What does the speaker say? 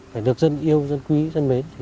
phải được dân yêu dân quý dân mến